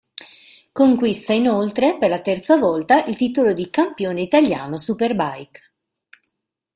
Conquista inoltre, per la terza volta, il titolo di Campione Italiano Superbike.